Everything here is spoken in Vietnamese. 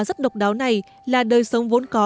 rất độc đáo này là đời sống vốn có